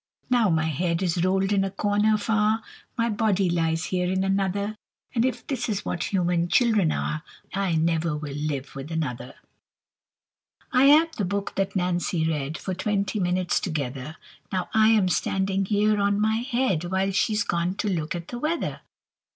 Now my head is rolled in a corner far, My body lies here in another; And if this is what human children are, I never will live with another. I am the book that Nancy read For twenty minutes together. Now I am standing here on my head, While she's gone to look at the weather.